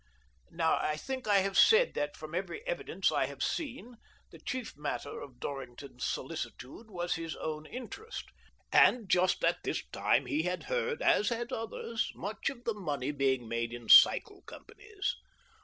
Now I think I have said that, from every evidence I have seen, the chief matter of Dorrington's solicitude was his own interest, and just at this time he had heard, as had others, much of the money being made in cycle companies.